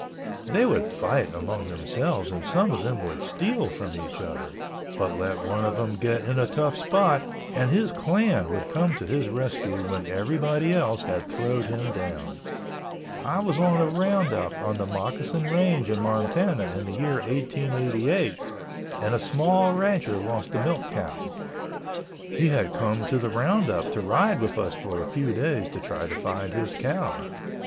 They would fight among themselves and some of them would steal from each other but let one of them get in a tough spot and his clan would come to his rescue when everybody else had throwed him down, I was on a roundup on the Moccasin range in Montana in the year 1888 and a small rancher lost a milk cow. He had come to the round up to ride with us for a few days to try to find his cow.